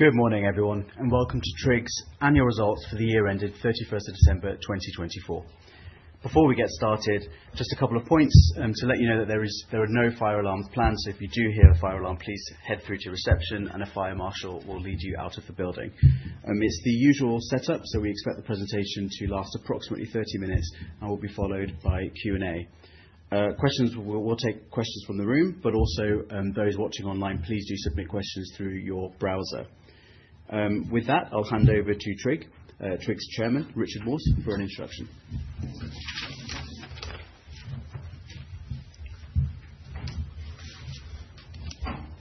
Good morning, everyone, and welcome to TRIG's Annual Results for the year ended 31st of December 2024. Before we get started, just a couple of points to let you know that there are no fire alarms planned, so if you do hear a fire alarm, please head through to reception, and a fire marshal will lead you out of the building. It's the usual setup, so we expect the presentation to last approximately 30 minutes, and will be followed by Q&A. We'll take questions from the room, but also those watching online, please do submit questions through your browser. With that, I'll hand over to TRIG's Chairman, Richard Morse, for an introduction.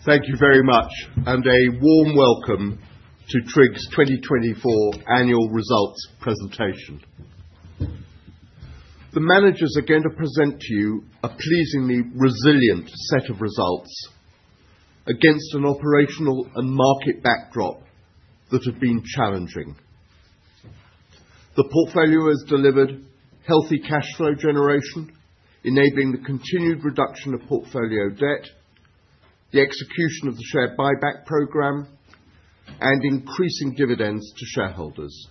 Thank you very much, and a warm welcome to TRIG's 2024 Annual Results Presentation. The managers are going to present to you a pleasingly resilient set of results against an operational and market backdrop that have been challenging. The portfolio has delivered healthy cash flow generation, enabling the continued reduction of portfolio debt, the execution of the share buyback program, and increasing dividends to shareholders.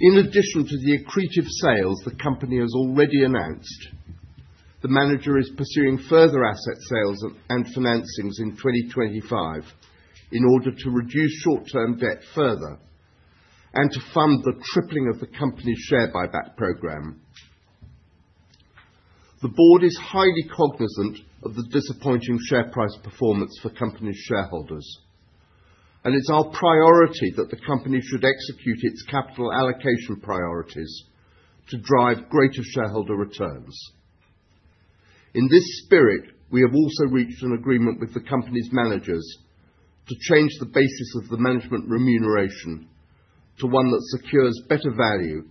In addition to the accretive sales the company has already announced, the manager is pursuing further asset sales and financings in 2025 in order to reduce short-term debt further and to fund the tripling of the company's share buyback program. The Board is highly cognizant of the disappointing share price performance for company shareholders, and it's our priority that the company should execute its capital allocation priorities to drive greater shareholder returns. In this spirit, we have also reached an agreement with the company's managers to change the basis of the management remuneration to one that secures better value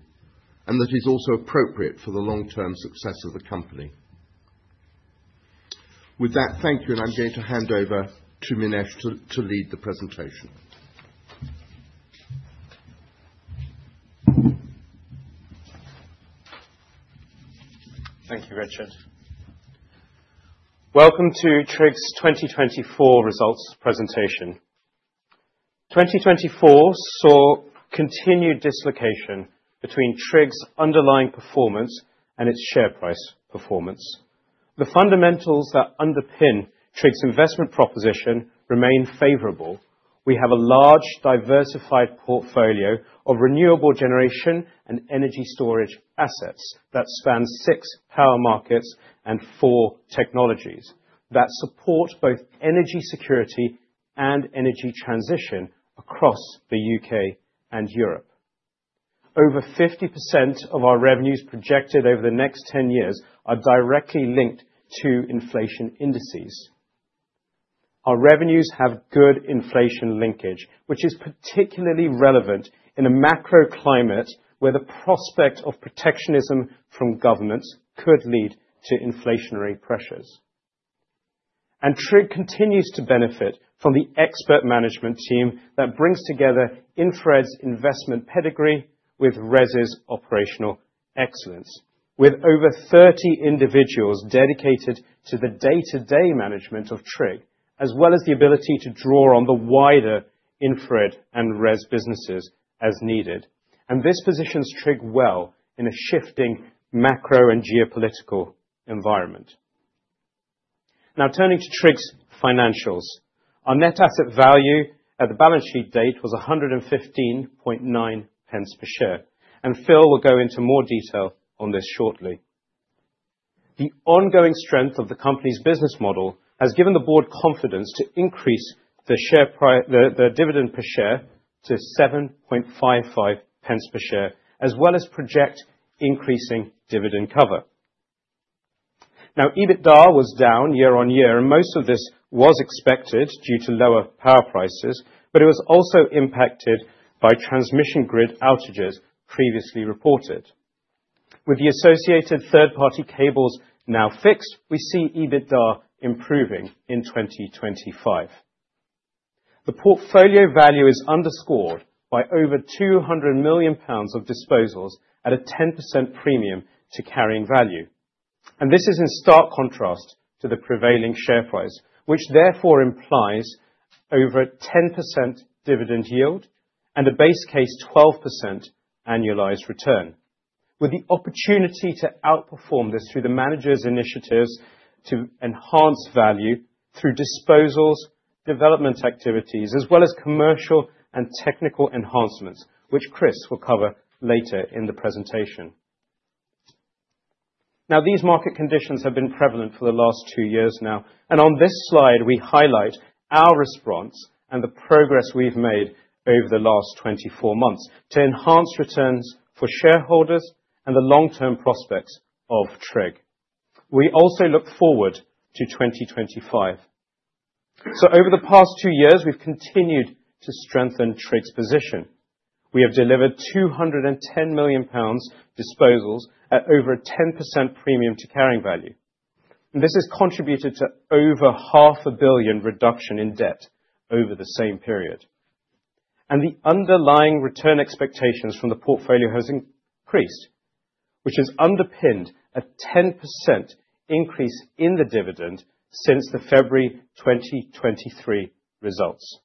and that is also appropriate for the long-term success of the company. With that, thank you, and I'm going to hand over to Minesh to lead the presentation. Thank you, Richard. Welcome to TRIG's 2024 Results Presentation. 2024 saw continued dislocation between TRIG's underlying performance and its share price performance. The fundamentals that underpin TRIG's investment proposition remain favorable. We have a large, diversified portfolio of renewable generation and energy storage assets that spans six power markets and four technologies that support both energy security and energy transition across the U.K. and Europe. Over 50% of our revenues projected over the next 10 years are directly linked to inflation indices. Our revenues have good inflation linkage, which is particularly relevant in a macro climate where the prospect of protectionism from governments could lead to inflationary pressures. TRIG continues to benefit from the expert management team that brings together InfraRed's investment pedigree with RES's operational excellence, with over 30 individuals dedicated to the day-to-day management of TRIG, as well as the ability to draw on the wider InfraRed and RES businesses as needed. This positions TRIG well in a shifting macro and geopolitical environment. Now, turning to TRIG's financials, our net asset value at the balance sheet date was 115.90 per share, and Phil will go into more detail on this shortly. The ongoing strength of the company's business model has given the Board confidence to increase the dividend per share to 7.55 per share, as well as project increasing dividend cover. Now, EBITDA was down year-on-year, and most of this was expected due to lower power prices, but it was also impacted by transmission grid outages previously reported. With the associated third-party cables now fixed, we see EBITDA improving in 2025. The portfolio value is underscored by over 200 million pounds of disposals at a 10% premium to carrying value, and this is in stark contrast to the prevailing share price, which therefore implies over 10% dividend yield and a base case 12% annualized return, with the opportunity to outperform this through the manager's initiatives to enhance value through disposals, development activities, as well as commercial and technical enhancements, which Chris will cover later in the presentation. Now, these market conditions have been prevalent for the last two years now, and on this slide, we highlight our response and the progress we've made over the last 24 months to enhance returns for shareholders and the long-term prospects of TRIG. We also look forward to 2025, so over the past two years, we've continued to strengthen TRIG's position. We have delivered 210 million pounds disposals at over a 10% premium to carrying value, and this has contributed to over 500 million reduction in debt over the same period, and the underlying return expectations from the portfolio have increased, which has underpinned a 10% increase in the dividend since the February 2023 results.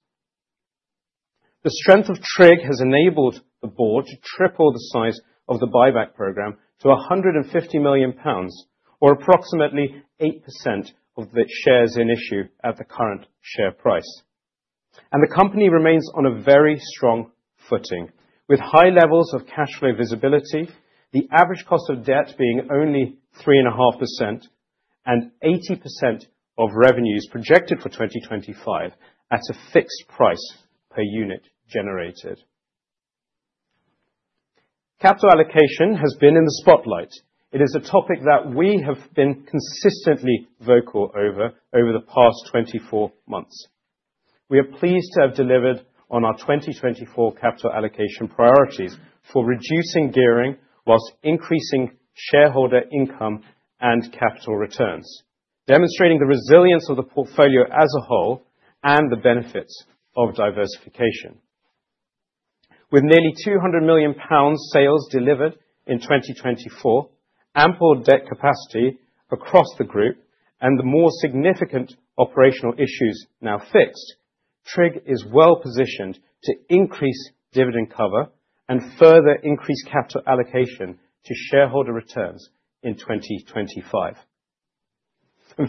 The strength of TRIG has enabled the Board to triple the size of the buyback program to 150 million pounds, or approximately 8% of the shares in issue at the current share price, and the company remains on a very strong footing, with high levels of cash flow visibility, the average cost of debt being only 3.5%, and 80% of revenues projected for 2025 at a fixed price per unit generated. Capital allocation has been in the spotlight. It is a topic that we have been consistently vocal over the past 24 months. We are pleased to have delivered on our 2024 capital allocation priorities for reducing gearing while increasing shareholder income and capital returns, demonstrating the resilience of the portfolio as a whole and the benefits of diversification. With nearly 200 million pounds sales delivered in 2024, ample debt capacity across the group, and the more significant operational issues now fixed, TRIG is well positioned to increase dividend cover and further increase capital allocation to shareholder returns in 2025.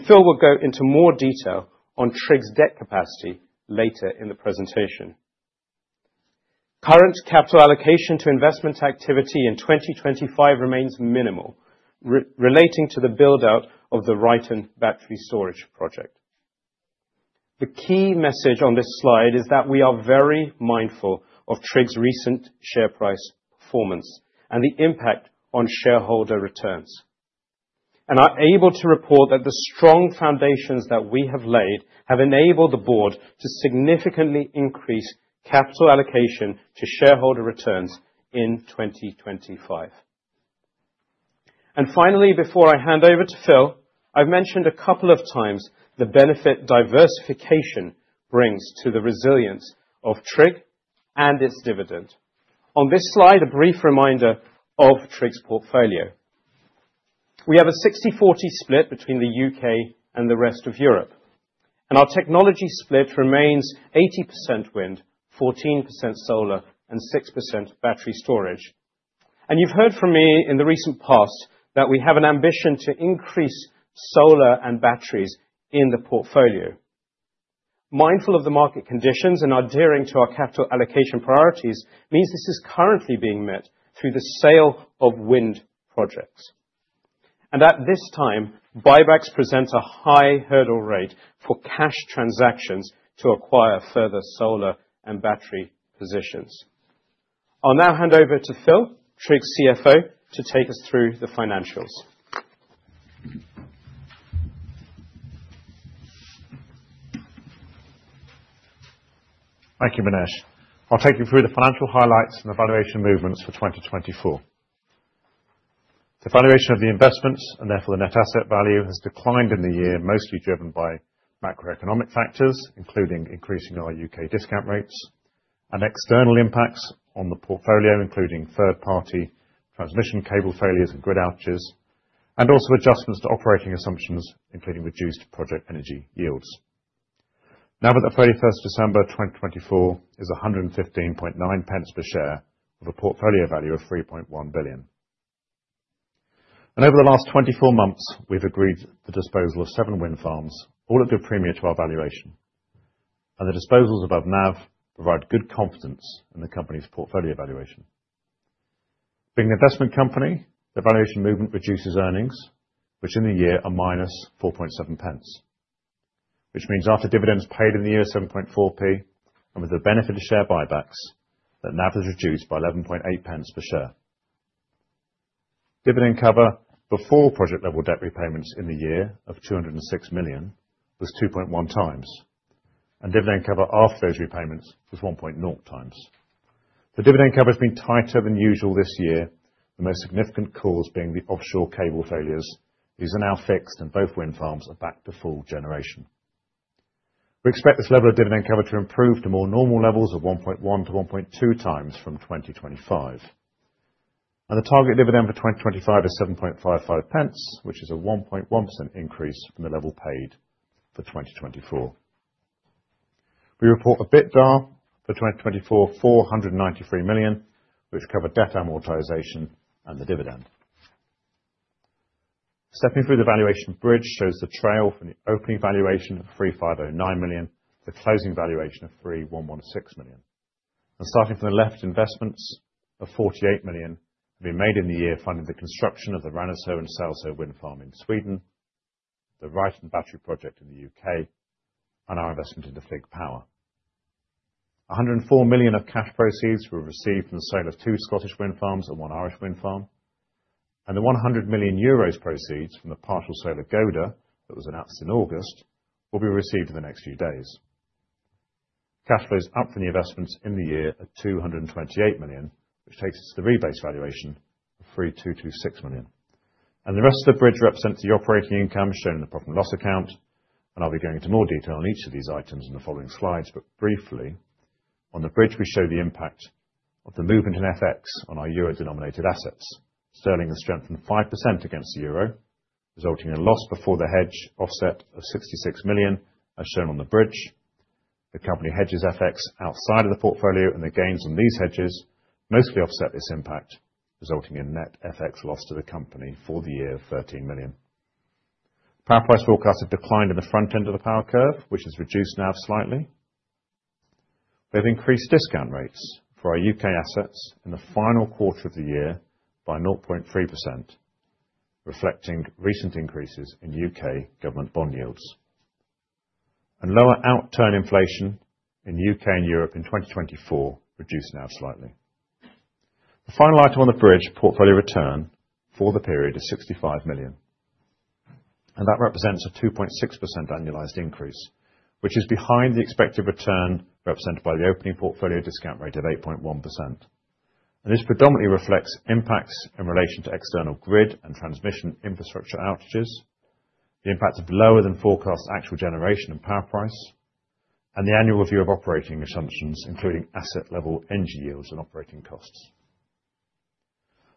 Phil will go into more detail on TRIG's debt capacity later in the presentation. Current capital allocation to investment activity in 2025 remains minimal, relating to the build-out of the Ryton Battery Storage project. The key message on this slide is that we are very mindful of TRIG's recent share price performance and the impact on shareholder returns, and are able to report that the strong foundations that we have laid have enabled the Board to significantly increase capital allocation to shareholder returns in 2025, and finally, before I hand over to Phil, I've mentioned a couple of times the benefit diversification brings to the resilience of TRIG and its dividend. On this slide, a brief reminder of TRIG's portfolio. We have a 60/40 split between the U.K. and the rest of Europe, and our technology split remains 80% wind, 14% solar, and 6% battery storage, and you've heard from me in the recent past that we have an ambition to increase solar and batteries in the portfolio. Mindful of the market conditions and adhering to our capital allocation priorities means this is currently being met through the sale of wind projects. And at this time, buybacks present a high hurdle rate for cash transactions to acquire further solar and battery positions. I'll now hand over to Phil, TRIG's CFO, to take us through the financials. Thank you, Minesh. I'll take you through the financial highlights and the valuation movements for 2024. The valuation of the investments, and therefore the net asset value, has declined in the year, mostly driven by macroeconomic factors, including increasing our UK discount rates, and external impacts on the portfolio, including third-party transmission cable failures and grid outages, and also adjustments to operating assumptions, including reduced project energy yields. Now, with that, 31st of December 2024 is 115.90 per share of a portfolio value of 3.1 billion. And over the last 24 months, we've agreed the disposal of seven wind farms, all at good premium to our valuation. And the disposals above NAV provide good confidence in the company's portfolio valuation. Being an investment company, the valuation movement reduces earnings, which in the year are minus 4.70, which means after dividends paid in the year 7.4p and with the benefit of share buybacks, that NAV has reduced by 11.80 per share. Dividend cover before project-level debt repayments in the year of 206 million was 2.1 times, and dividend cover after those repayments was 1.0 times. The dividend cover has been tighter than usual this year, the most significant cause being the offshore cable failures. These are now fixed and both wind farms are back to full generation. We expect this level of dividend cover to improve to more normal levels of 1.1 to 1.2 times from 2025. And the target dividend for 2025 is 7.55, which is a 1.1% increase from the level paid for 2024. We report an EBITDA for 2024 of 493 million, which cover debt amortization and the dividend. Stepping through the valuation bridge shows the trail from the opening valuation of 3,509 million to the closing valuation of 3,116 million. Starting from the left, investments of 48 million have been made in the year funding the construction of the Ranasjö and Salsjö wind farm in Sweden, the Ryton Battery project in the UK, and our investment into Fig Power. 104 million of cash proceeds were received from the sale of two Scottish wind farms and one Irish wind farm, and the 100 million euros proceeds from the partial sale of Gode that was announced in August will be received in the next few days. Cash flows up from the investments in the year of 228 million, which takes us to the rebase valuation of 3,226 million. The rest of the bridge represents the operating income shown in the profit and loss account, and I'll be going into more detail on each of these items in the following slides, but briefly, on the bridge, we show the impact of the movement in FX on our euro-denominated assets. Sterling has strengthened five% against the euro, resulting in a loss before the hedge offset of 66 million, as shown on the bridge. The company hedges FX outside of the portfolio, and the gains on these hedges mostly offset this impact, resulting in net FX loss to the company for the year of 13 million. Power price forecasts have declined in the front end of the power curve, which has reduced now slightly. We have increased discount rates for our U.K. assets in the final quarter of the year by 0.3%, reflecting recent increases in U.K. government bond yields. Lower outturn inflation in the UK and Europe in 2024 reduced now slightly. The final item on the bridge, portfolio return for the period is 65 million, and that represents a 2.6% annualized increase, which is behind the expected return represented by the opening portfolio discount rate of 8.1%. This predominantly reflects impacts in relation to external grid and transmission infrastructure outages, the impact of lower than forecast actual generation and power price, and the annual review of operating assumptions, including asset-level energy yields and operating costs.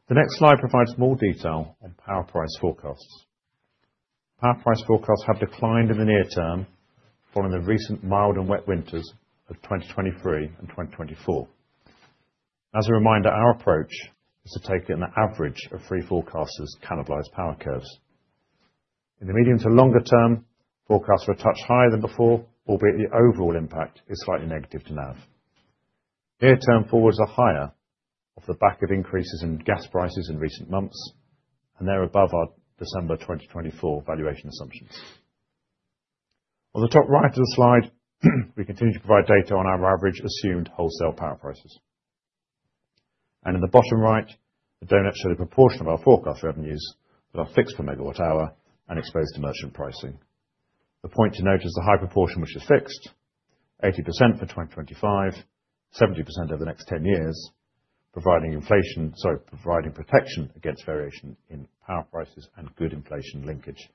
The next slide provides more detail on power price forecasts. Power price forecasts have declined in the near term following the recent mild and wet winters of 2023 and 2024. As a reminder, our approach is to take it in the average of three forecasters' cannibalized power curves. In the medium to longer term, forecasts are a touch higher than before, albeit the overall impact is slightly negative to NAV. Near-term forwards are higher off the back of increases in gas prices in recent months, and they're above our December 2024 valuation assumptions. On the top right of the slide, we continue to provide data on our average assumed wholesale power prices, and in the bottom right, the donut shows the proportion of our forecast revenues that are fixed per megawatt hour and exposed to merchant pricing. The point to note is the high proportion which is fixed, 80% for 2025, 70% over the next 10 years, providing protection against variation in power prices and good inflation linkage,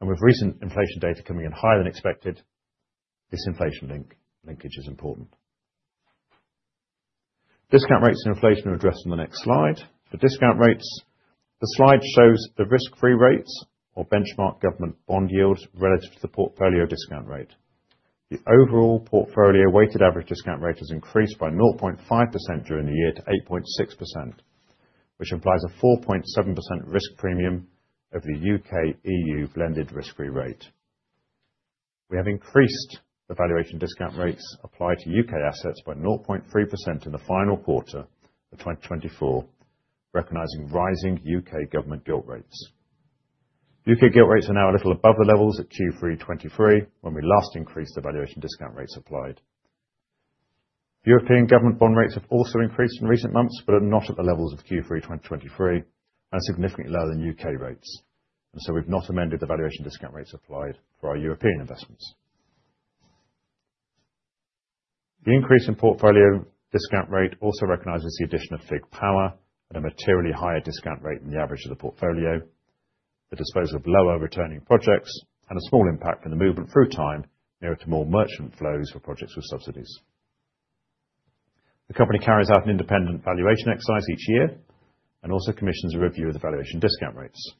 and with recent inflation data coming in higher than expected, this inflation linkage is important. Discount rates and inflation are addressed on the next slide. For discount rates, the slide shows the risk-free rates or benchmark government bond yields relative to the portfolio discount rate. The overall portfolio weighted average discount rate has increased by 0.5% during the year to 8.6%, which implies a 4.7% risk premium over the UK-EU blended risk-free rate. We have increased the valuation discount rates applied to UK assets by 0.3% in the final quarter of 2024, recognizing rising UK government gilt rates. UK gilt rates are now a little above the levels at Q3 2023 when we last increased the valuation discount rates applied. European government bond rates have also increased in recent months, but are not at the levels of Q3 2023 and are significantly lower than UK rates, and so we've not amended the valuation discount rates applied for our European investments. The increase in portfolio discount rate also recognizes the addition of Fig Power at a materially higher discount rate than the average of the portfolio, the disposal of lower returning projects, and a small impact from the movement through time nearer to more merchant flows for projects with subsidies. The company carries out an independent valuation exercise each year and also commissions a review of the valuation discount rates.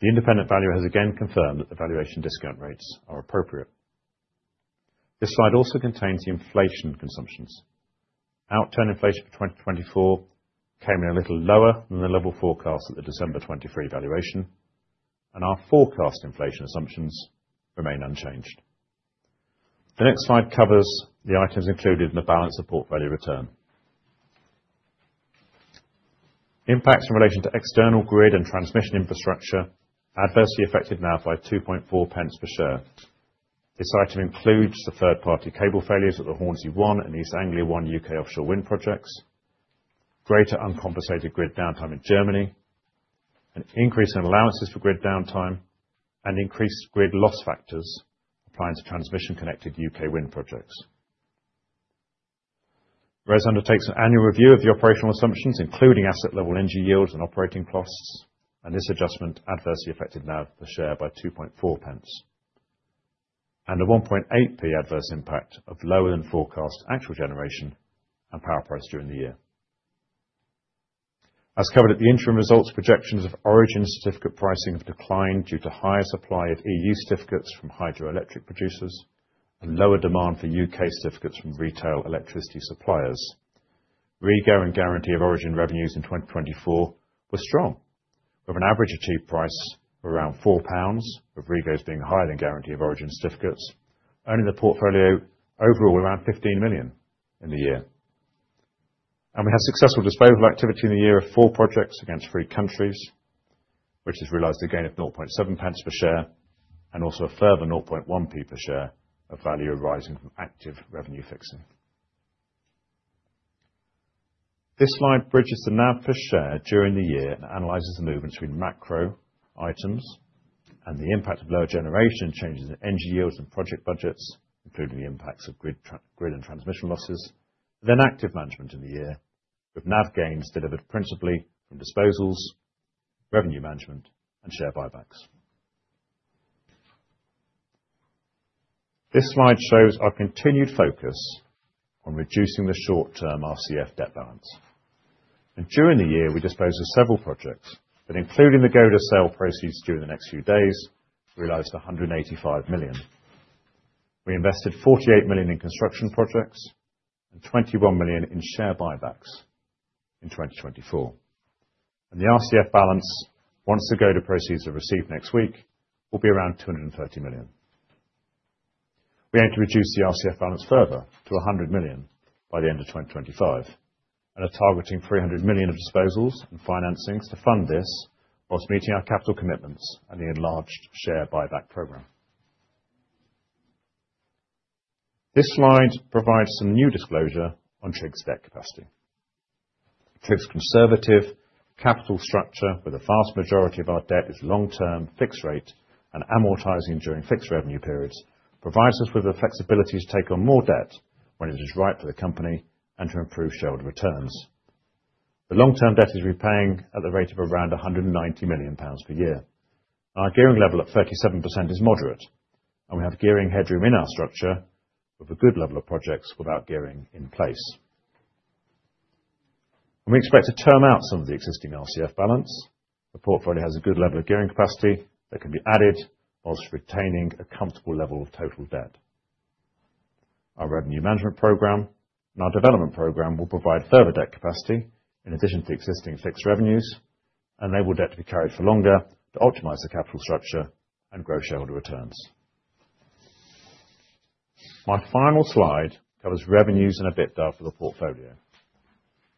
The independent valuer has again confirmed that the valuation discount rates are appropriate. This slide also contains the inflation assumptions. Outturn inflation for 2024 came in a little lower than the level forecast at the December 2023 valuation, and our forecast inflation assumptions remain unchanged. The next slide covers the items included in the balance of portfolio return. Impacts in relation to external grid and transmission infrastructure adversely affected NAV by 2.40 per share. This item includes the third-party cable failures at the Hornsea One and East Anglia One U.K. offshore wind projects, greater uncompensated grid downtime in Germany, an increase in allowances for grid downtime, and increased grid loss factors applying to transmission-connected U.K. wind projects. RES undertakes an annual review of the operational assumptions, including asset-level energy yields and operating costs, and this adjustment adversely affected NAV per share by 2.40, and a 0.018 adverse impact of lower than forecast actual generation and power price during the year. As covered at the interim results, projections of Guarantee of Origin certificate pricing have declined due to higher supply of EU certificates from hydroelectric producers and lower demand for U.K. certificates from retail electricity suppliers. REGO and Guarantee of Origin revenues in 2024 were strong, with an average achieved price of around 4 pounds, with REGOs being higher than Guarantee of Origin certificates, earning the portfolio overall around 15 million in the year. And we have successful disposal activity in the year of four projects against three countries, which has realized a gain of 0.70 pounds per share and also a further GBP 0.1p per share of value arising from active revenue fixing. This slide bridges the NAV per share during the year and analyzes the movement between macro items and the impact of lower generation changes in energy yields and project budgets, including the impacts of grid and transmission losses, and then active management in the year, with NAV gains delivered principally from disposals, revenue management, and share buybacks. This slide shows our continued focus on reducing the short-term RCF debt balance. During the year, we disposed of several projects that, including the Gode sale proceeds during the next few days, realized 185 million. We invested 48 million in construction projects and 21 million in share buybacks in 2024. The RCF balance, once the Gode proceeds are received next week, will be around 230 million. We aim to reduce the RCF balance further to 100 million by the end of 2025 and are targeting 300 million of disposals and financings to fund this whilst meeting our capital commitments and the enlarged share buyback program. This slide provides some new disclosure on TRIG's debt capacity. TRIG's conservative capital structure, with a vast majority of our debt at long-term fixed rate and amortizing during fixed revenue periods, provides us with the flexibility to take on more debt when it is right for the company and to improve shareholder returns. The long-term debt is repaying at the rate of around 190 million pounds per year. And our gearing level at 37% is moderate, and we have gearing headroom in our structure with a good level of projects without gearing in place. And we expect to term out some of the existing RCF balance. The portfolio has a good level of gearing capacity that can be added whilst retaining a comfortable level of total debt. Our revenue management program and our development program will provide further debt capacity in addition to existing fixed revenues, and they will allow debt to be carried for longer to optimize the capital structure and grow shareholder returns. My final slide covers revenues and EBITDA for the portfolio.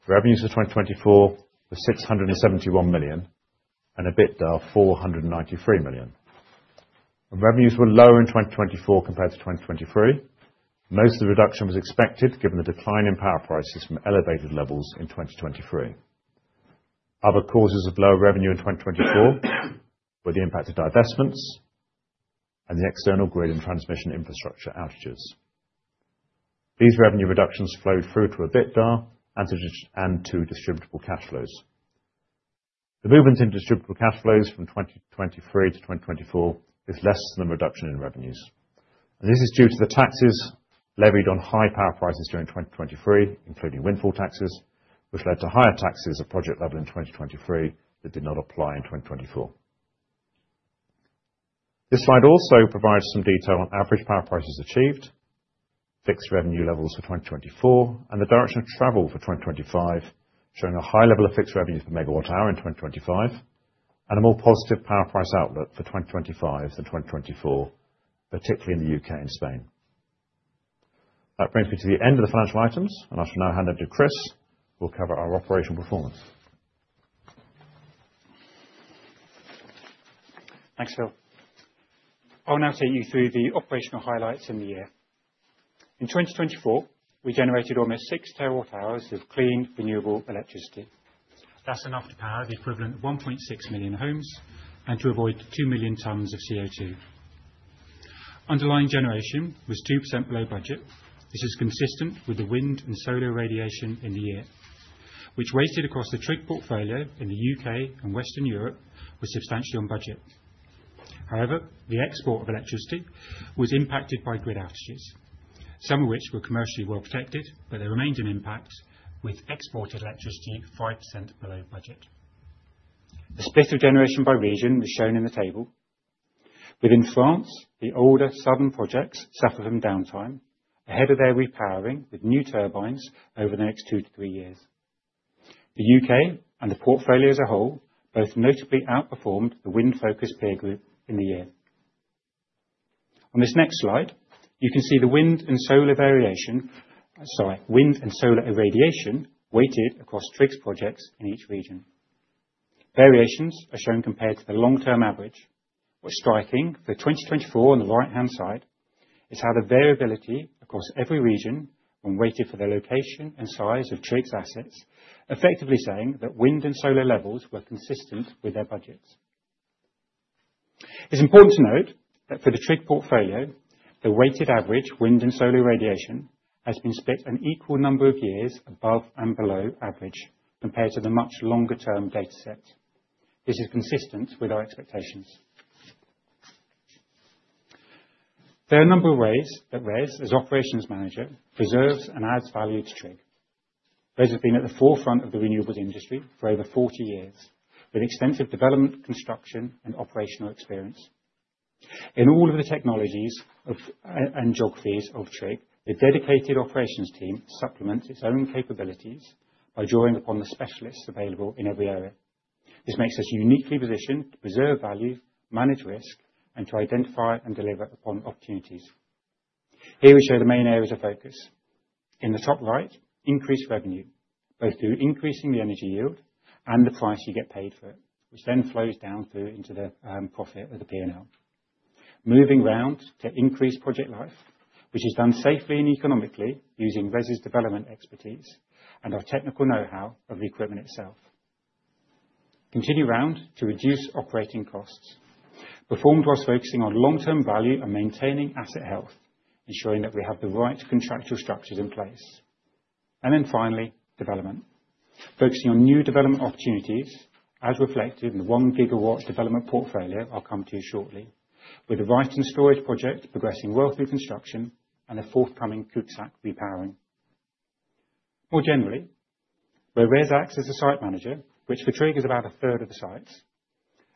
Revenues for 2024 were 671 million and EBITDA of 493 million. And revenues were lower in 2024 compared to 2023. Most of the reduction was expected given the decline in power prices from elevated levels in 2023. Other causes of low revenue in 2024 were the impact of divestments and the external grid and transmission infrastructure outages. These revenue reductions flowed through to an EBITDA and to distributable cash flows. The movement in distributable cash flows from 2023 to 2024 is less than the reduction in revenues, and this is due to the taxes levied on high power prices during 2023, including windfall taxes, which led to higher taxes at project level in 2023 that did not apply in 2024. This slide also provides some detail on average power prices achieved, fixed revenue levels for 2024, and the direction of travel for 2025, showing a high level of fixed revenue per megawatt hour in 2025 and a more positive power price outlook for 2025 than 2024, particularly in the U.K. and Spain. That brings me to the end of the financial items, and I shall now hand over to Chris, who will cover our operational performance. Thanks, Phil.I'll now take you through the operational highlights in the year. In 2024, we generated almost six terawatt hours of clean renewable electricity. That's enough to power the equivalent of 1.6 million homes and to avoid two million tons of CO2. Underlying generation was 2% below budget. This is consistent with the wind and solar radiation in the year, which weighted across the TRIG portfolio in the U.K. and Western Europe was substantially on budget. However, the export of electricity was impacted by grid outages, some of which were commercially well protected, but there remained an impact with exported electricity 5% below budget. The split of generation by region was shown in the table. Within France, the older southern projects suffered from downtime ahead of their repowering with new turbines over the next two to three years. The U.K. and the portfolio as a whole both notably outperformed the wind-focused peer group in the year. On this next slide, you can see the wind and solar variation, sorry, wind and solar irradiation, weighted across TRIG's projects in each region. Variations are shown compared to the long-term average, which is striking. For 2024, on the right-hand side is how the variability across every region, when weighted for the location and size of TRIG's assets, effectively saying that wind and solar levels were consistent with their budgets. It's important to note that for the TRIG portfolio, the weighted average wind and solar irradiation has been split an equal number of years above and below average compared to the much longer-term data set. This is consistent with our expectations. There are a number of ways that RES, as operations manager, preserves and adds value to TRIG. RES has been at the forefront of the renewables industry for over 40 years, with extensive development, construction, and operational experience. In all of the technologies and geographies of TRIG the dedicated operations team supplements its own capabilities by drawing upon the specialists available in every area. This makes us uniquely positioned to preserve value, manage risk, and to identify and deliver upon opportunities. Here we show the main areas of focus. In the top right, increased revenue, both through increasing the energy yield and the price you get paid for it, which then flows down through into the profit of the P&L. Moving round to increased project life, which is done safely and economically using RES's development expertise and our technical know-how of the equipment itself. Continue round to reduce operating costs, performed whilst focusing on long-term value and maintaining asset health, ensuring that we have the right contractual structures in place. And then finally, development, focusing on new development opportunities as reflected in the one-gigawatt development portfolio I'll come to you shortly, with the Ryton storage project progressing well through construction and the forthcoming Cuxac repowering. More generally, where RES acts as a site manager, which for TRIG is about a third of the sites,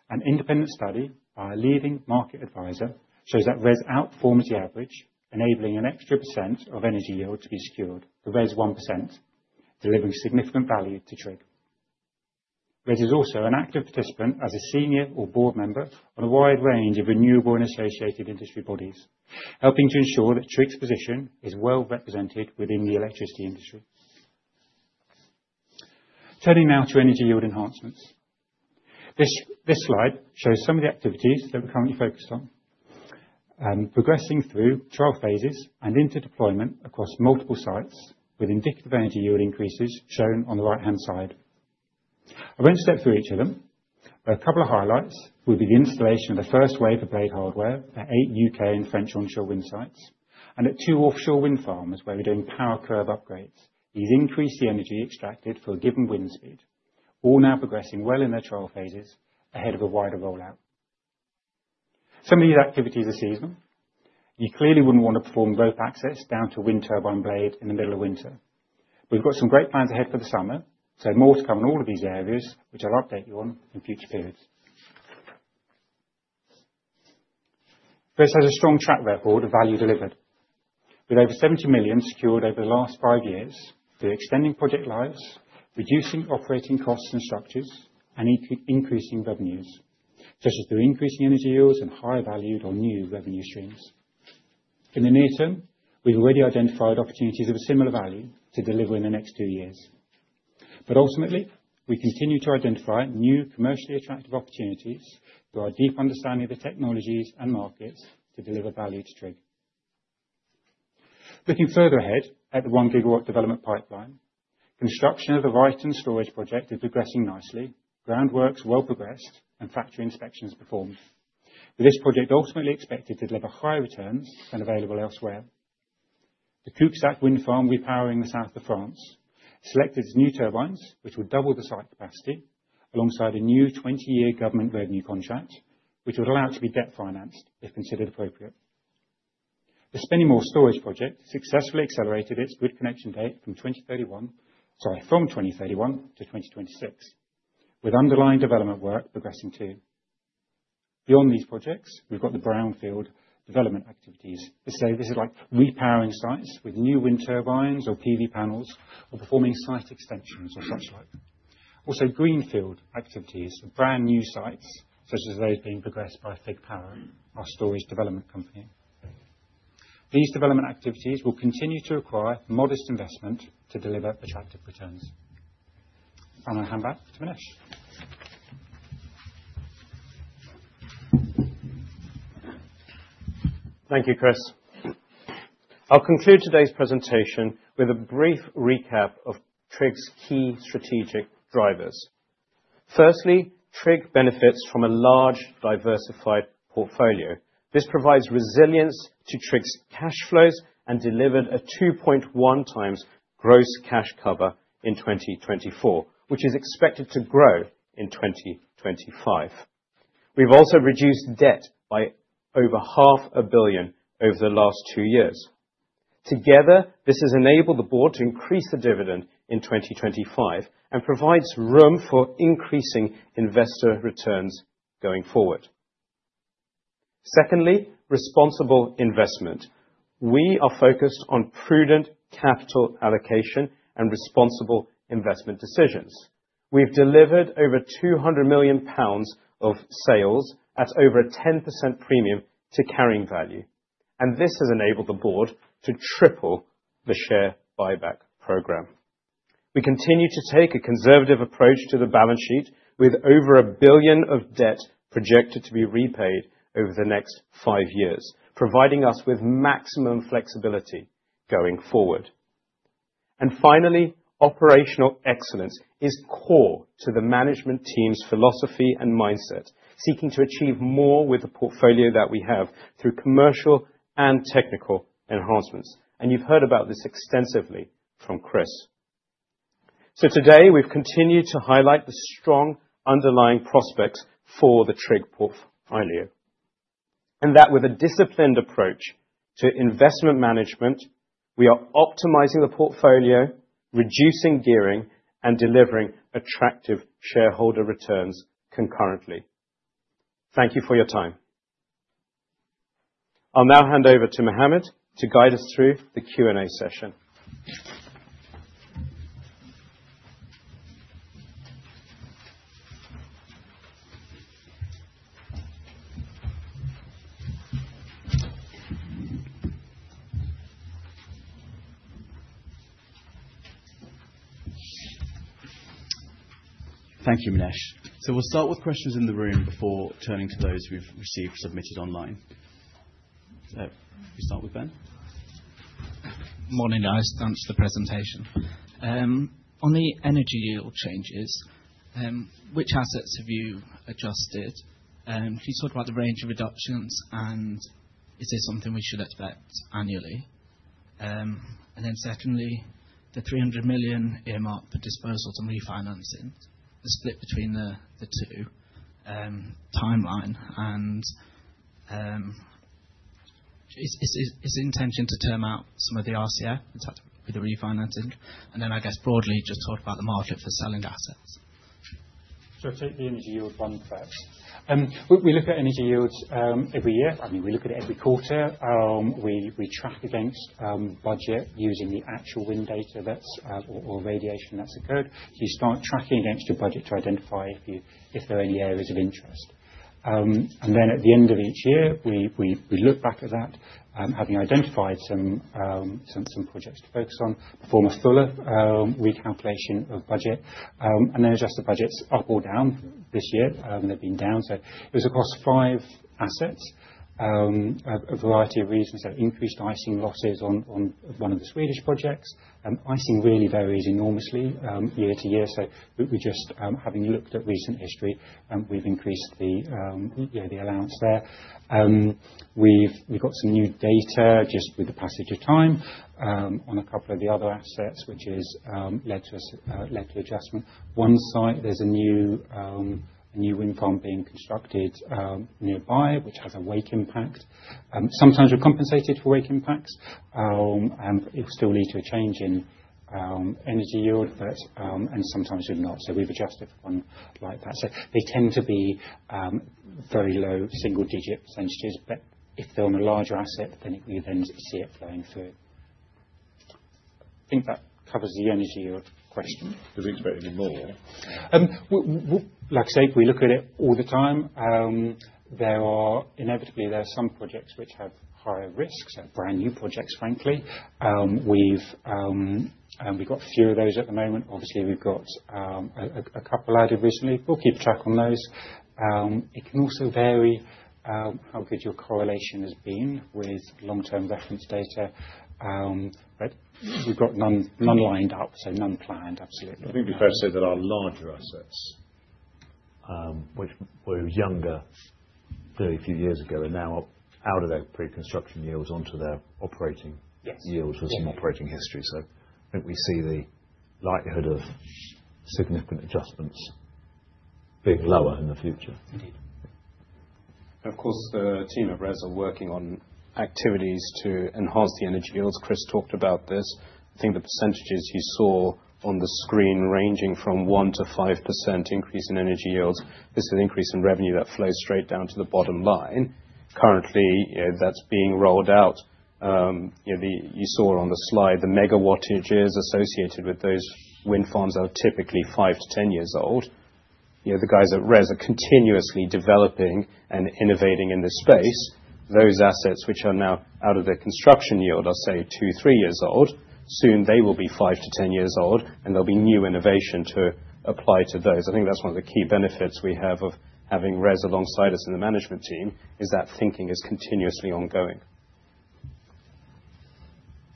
an independent study by a leading market advisor shows that RES outperforms the average, enabling an extra percent of energy yield to be secured, the RES 1%, delivering significant value to TRIG. RES is also an active participant as a senior or Board member on a wide range of renewable and associated industry bodies, helping to ensure that TRIG's position is well represented within the electricity industry. Turning now to energy yield enhancements. This slide shows some of the activities that we're currently focused on, progressing through trial phases and into deployment across multiple sites, with indicative energy yield increases shown on the right-hand side. I won't step through each of them, but a couple of highlights would be the installation of the first wave of blade hardware at eight U.K. and French onshore wind sites, and at two offshore wind farms where we're doing power curve upgrades. These increase the energy extracted for a given wind speed, all now progressing well in their trial phases ahead of a wider rollout. Some of these activities are seasonal. You clearly wouldn't want to perform rope access down to a wind turbine blade in the middle of winter. But we've got some great plans ahead for the summer, so more to come in all of these areas, which I'll update you on in future periods. RES has a strong track record of value delivered, with over 70 million secured over the last five years through extending project lives, reducing operating costs and structures, and increasing revenues, such as through increasing energy yields and higher valued or new revenue streams. In the near term, we've already identified opportunities of a similar value to deliver in the next two years. But ultimately, we continue to identify new commercially attractive opportunities through our deep understanding of the technologies and markets to deliver value to TRIG. Looking further ahead at the one-gigawatt development pipeline, construction of the Ryton storage project is progressing nicely, groundwork's well progressed, and factory inspections performed, with this project ultimately expected to deliver higher returns than available elsewhere. The Cuxac wind farm repowering in the south of France selected its new turbines, which would double the site capacity, alongside a new 20-year government revenue contract, which would allow it to be debt financed if considered appropriate. The Spennymoor storage project successfully accelerated its grid connection date from 2031, sorry, from 2031 to 2026, with underlying development work progressing too. Beyond these projects, we've got the brownfield development activities. This saves us like repowering sites with new wind turbines or PV panels or performing site extensions or such like. Also, greenfield activities of brand new sites, such as those being progressed by Fig Power, our storage development company. These development activities will continue to require modest investment to deliver attractive returns. I'll now hand back to Minesh. Thank you, Chris. I'll conclude today's presentation with a brief recap of TRIG's key strategic drivers. Firstly, TRIG benefits from a large, diversified portfolio. This provides resilience to TRIG's cash flows and delivered a 2.1 times gross cash cover in 2024, which is expected to grow in 2025. We've also reduced debt by over 500 million over the last two years. Together, this has enabled the Board to increase the dividend in 2025 and provides room for increasing investor returns going forward. Secondly, responsible investment. We are focused on prudent capital allocation and responsible investment decisions. We've delivered over 200 million pounds of sales at over a 10% premium to carrying value, and this has enabled the Board to triple the share buyback program. We continue to take a conservative approach to the balance sheet, with over 1 billion of debt projected to be repaid over the next five years, providing us with maximum flexibility going forward. And finally, operational excellence is core to the management team's philosophy and mindset, seeking to achieve more with the portfolio that we have through commercial and technical enhancements. And you've heard about this extensively from Chris. So today, we've continued to highlight the strong underlying prospects for the TRIG portfolio, and that with a disciplined approach to investment management, we are optimizing the portfolio, reducing gearing, and delivering attractive shareholder returns concurrently. Thank you for your time. I'll now hand over to Mohammed to guide us through the Q&A session. Thank you, Minesh. So we'll start with questions in the room before turning to those we've received submitted online. So we start with Ben. Morning, guys. Thanks for the presentation. On the energy yield changes, which assets have you adjusted? Can you talk about the range of reductions, and is this something we should expect annually? And then secondly, the 300 million earmarked for disposals and refinancing, the split between the two timeline, and is it intention to term out some of the RCF with the refinancing? And then I guess broadly, just talk about the market for selling assets. So I'll take the energy yield one first. We look at energy yields every year. I mean, we look at it every quarter. We track against budget using the actual wind data that's or radiation that's occurred. So you start tracking against your budget to identify if there are any areas of interest. And then at the end of each year, we look back at that, having identified some projects to focus on, perform a fuller recalculation of budget, and then adjust the budgets up or down this year. They've been down. So it was across five assets of a variety of reasons. Increased icing losses on one of the Swedish projects. Icing really varies enormously year-to-year. We just, having looked at recent history, have increased the allowance there. We have got some new data just with the passage of time on a couple of the other assets, which has led to adjustment. One site, there is a new wind farm being constructed nearby, which has a wake impact. Sometimes we are compensated for wake impacts, and it will still lead to a change in energy yield, and sometimes it will not. We have adjusted for one like that. They tend to be very low single-digit %, but if they are on a larger asset, then we see it flowing through. I think that covers the energy yield question. Was he expecting more? Like I say, we look at it all the time. Inevitably, there are some projects which have higher risks, brand new projects, frankly. We've got a few of those at the moment. Obviously, we've got a couple added recently. We'll keep track on those. It can also vary how good your correlation has been with long-term reference data, but we've got none lined up, so none planned, absolutely. I think we first said there are larger assets which were younger a few years ago and now out of their pre-construction yields onto their operating yields with some operating history. So I think we see the likelihood of significant adjustments being lower in the future. Indeed. And of course, the team at RES are working on activities to enhance the energy yields. Chris talked about this. I think the percentages you saw on the screen ranging from 1%-5% increase in energy yields, this is an increase in revenue that flows straight down to the bottom line. Currently, that's being rolled out. You saw on the slide the megawattages associated with those wind farms are typically 5-10 years old. The guys at RES are continuously developing and innovating in this space. Those assets which are now out of their construction yield are, say, 2, 3 years old. Soon, they will be 5-10 years old, and there'll be new innovation to apply to those. I think that's one of the key benefits we have of having RES alongside us in the management team, is that thinking is continuously ongoing.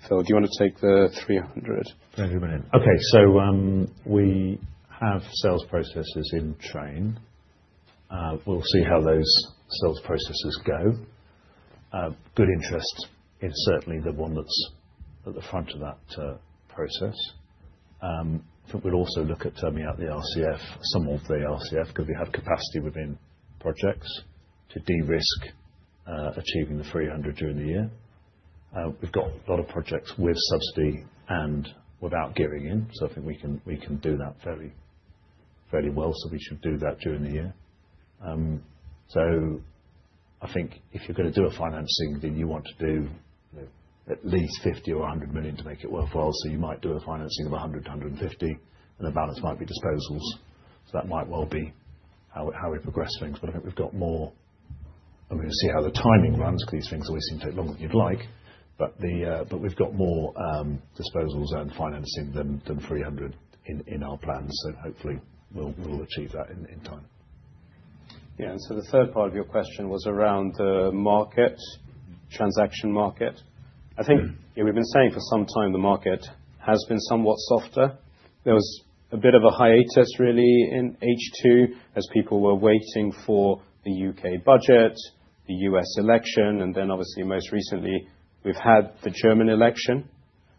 Phil, do you want to take the 300? Thank you, Minesh. Okay. So we have sales processes in train. We'll see how those sales processes go. Gode interest is certainly the one that's at the front of that process. I think we'll also look at turning out the RCF, some of the RCF, because we have capacity within projects to de-risk achieving the 300 during the year. We've got a lot of projects with subsidy and without gearing in, so I think we can do that fairly well. So we should do that during the year. So I think if you're going to do a financing, then you want to do at least 50 or 100 million to make it worthwhile. So you might do a financing of 100, 150, and the balance might be disposals. So that might well be how we progress things. But I think we've got more, I mean, we'll see how the timing runs, because these things always seem to take longer than you'd like. But we've got more disposals and financing than 300 in our plans, so hopefully, we'll achieve that in time. Yeah. And so the third part of your question was around the market, transaction market. I think we've been saying for some time the market has been somewhat softer. There was a bit of a hiatus, really, in H2 as people were waiting for the U.K. budget, the U.S. election, and then obviously, most recently, we've had the German election.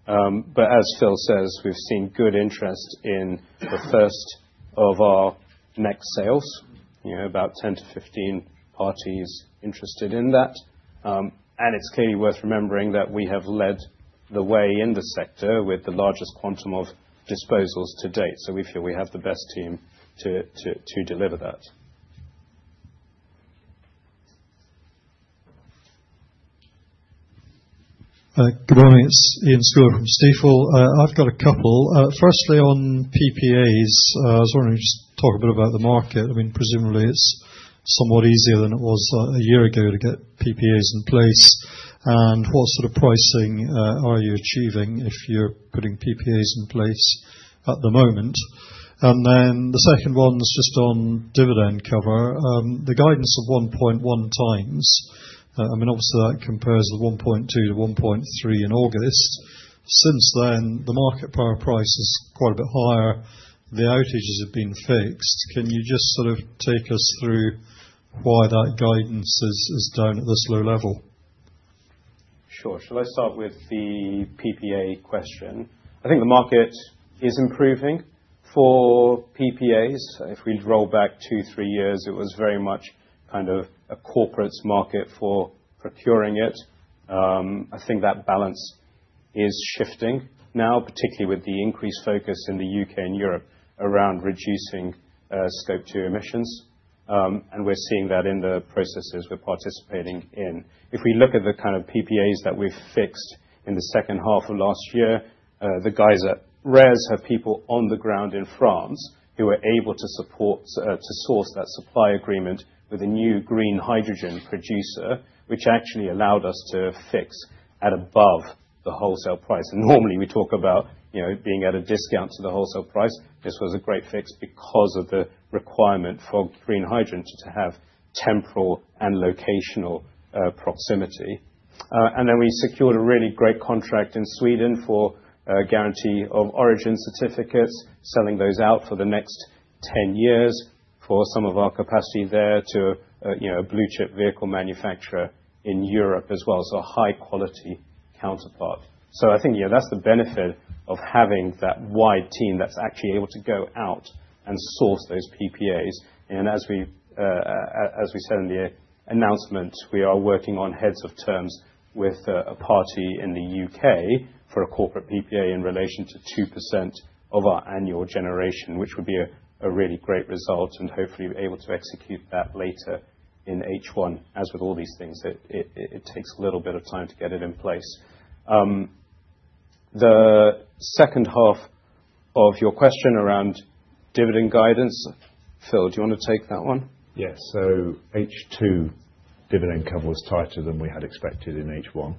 But as Phil says, we've seen good interest in the first of our next sales, about 10-15 parties interested in that. And it's clearly worth remembering that we have led the way in the sector with the largest quantum of disposals to date. So we feel we have the best team to deliver that. Good morning. It's Callum Stewart from Stifel. I've got a couple. Firstly, on PPAs, I was wondering if you could just talk a bit about the market. I mean, presumably, it's somewhat easier than it was a year ago to get PPAs in place. And what sort of pricing are you achieving if you're putting PPAs in place at the moment? And then the second one's just on dividend cover. The guidance of 1.1 times. I mean, obviously, that compares to 1.2-1.3 in August. Since then, the market power price is quite a bit higher. The outages have been fixed. Can you just sort of take us through why that guidance is down at this low level? Sure. Shall I start with the PPA question? I think the market is improving for PPAs. If we roll back two, three years, it was very much kind of a corporate's market for procuring it. I think that balance is shifting now, particularly with the increased focus in the UK and Europe around reducing Scope 2 emissions. And we're seeing that in the processes we're participating in. If we look at the kind of PPAs that we've fixed in the second half of last year, the guys at RES have people on the ground in France who are able to support, to source that supply agreement with a new green hydrogen producer, which actually allowed us to fix at above the wholesale price. And normally, we talk about being at a discount to the wholesale price. This was a great fix because of the requirement for green hydrogen to have temporal and locational proximity. And then we secured a really great contract in Sweden for guarantee of origin certificates, selling those out for the next 10 years for some of our capacity there to a blue-chip vehicle manufacturer in Europe as well, so a high-quality counterpart. So I think that's the benefit of having that wide team that's actually able to go out and source those PPAs. And as we said in the announcement, we are working on heads of terms with a party in the U.K. for a corporate PPA in relation to 2% of our annual generation, which would be a really great result and hopefully able to execute that later in H1. As with all these things, it takes a little bit of time to get it in place. The second half of your question around dividend guidance, Phil, do you want to take that one? Yeah. H2 dividend cover was tighter than we had expected in H1.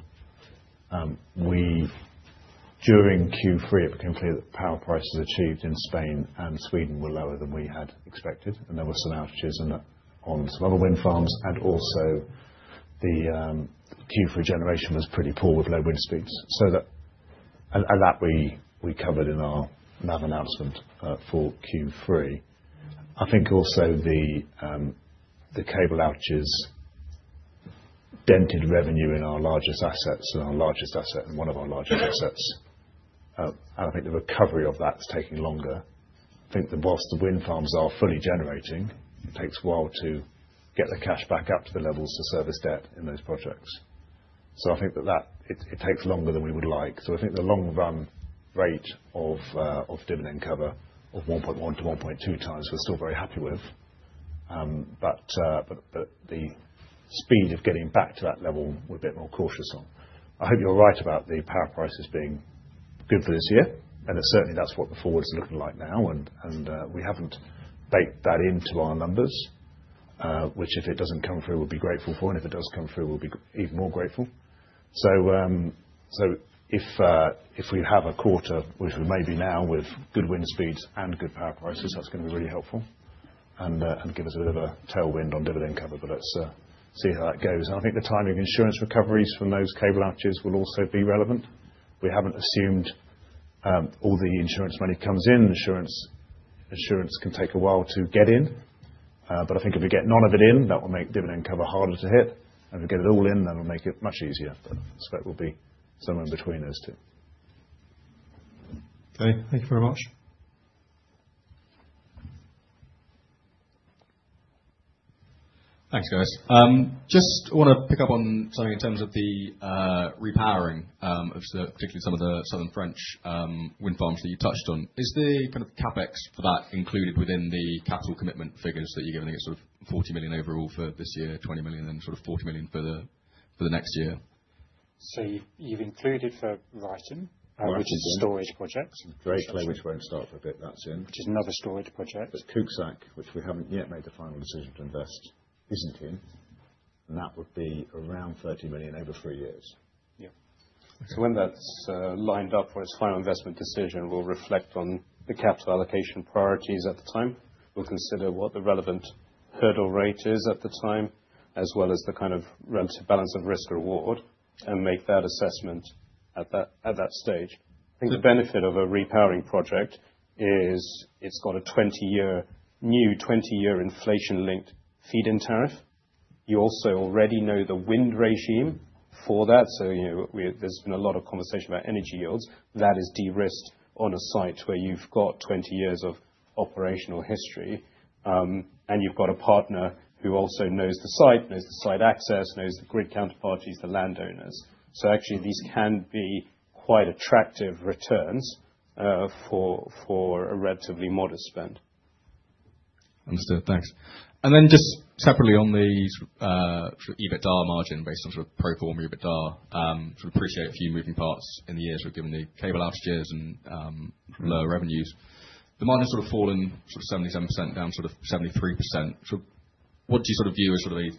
During Q3, it became clear that power prices achieved in Spain and Sweden were lower than we had expected. And there were some outages on some other wind farms. And also, the Q3 generation was pretty poor with low wind speeds. And that we covered in our NAV announcement for Q3. I think also the cable outages dented revenue in our largest assets. And I think the recovery of that is taking longer. I think that while the wind farms are fully generating, it takes a while to get the cash back up to the levels to service debt in those projects. So I think that it takes longer than we would like. I think the long-run rate of dividend cover of 1.1-1.2 times we're still very happy with. But the speed of getting back to that level, we're a bit more cautious on. I hope you're right about the power prices being good for this year. And certainly, that's what the forward's looking like now. And we haven't baked that into our numbers, which if it doesn't come through, we'll be grateful for. And if it does come through, we'll be even more grateful. So if we have a quarter, which we may be now with good wind speeds and good power prices, that's going to be really helpful and give us a bit of a tailwind on dividend cover. But let's see how that goes. And I think the timing of insurance recoveries from those cable outages will also be relevant. We haven't assumed all the insurance money comes in. Insurance can take a while to get in, but I think if we get none of it in, that will make dividend cover harder to hit, and if we get it all in, that'll make it much easier, but I expect we'll be somewhere in between those two. Okay. Thank you very much. Thanks, guys. Just want to pick up on something in terms of the repowering, particularly some of the southern French wind farms that you touched on. Is the kind of CapEx for that included within the capital commitment figures that you're giving? It's sort of 40 million overall for this year, 20 million, and sort of 40 million for the next year. So you've included for Ryton, which is a storage project. Great claim. Which we're going to start with a bit. That's in. Which is another storage project. There's Cuxac, which we haven't yet made the final decision to invest, isn't in. And that would be around 30 million over three years. Yeah. So when that's lined up for its final investment decision, we'll reflect on the capital allocation priorities at the time. We'll consider what the relevant hurdle rate is at the time, as well as the kind of relative balance of risk-reward, and make that assessment at that stage. I think the benefit of a repowering project is it's got a new 20-year inflation-linked Feed-in Tariff. You also already know the wind regime for that. So there's been a lot of conversation about energy yields. That is de-risked on a site where you've got 20 years of operational history. And you've got a partner who also knows the site, knows the site access, knows the grid counterparties, the landowners. So actually, these can be quite attractive returns for a relatively modest spend. Understood. Thanks. And then just separately on the EBITDA margin based on sort of pro forma EBITDA, sort of appreciate a few moving parts in the years. We're given the cable outages and lower revenues. The margin's sort of fallen sort of 77% down to sort of 73%. What do you sort of view as sort of a